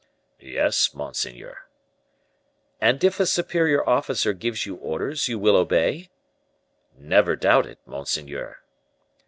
"Yes, monseigneur." "And if a superior officer gives you orders, you will obey?" "Never doubt it, monseigneur."